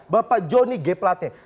bapak jonny g pelate